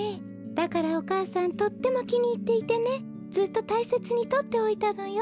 だからお母さんとってもきにいっていてねずっとたいせつにとっておいたのよ。